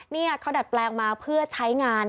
นี่เขาดัดแปลงมาเพื่อใช้งาน